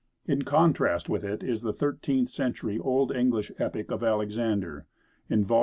In contrast with it is the thirteenth century Old English epic of Alexander (in vol.